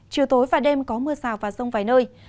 chiều tối và đêm có mưa rào và rông vài nơi